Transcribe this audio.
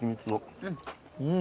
うん。